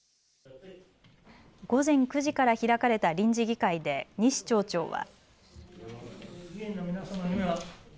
午前９時から開かれた臨時議会で西町長は。